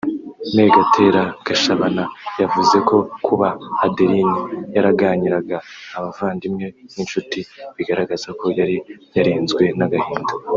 Me Gatera Gashabana yavuze ko kuba Adeline yaraganyiraga abavandimwe n’inshuti bigaragaza ko yari yarenzwe n’agahinda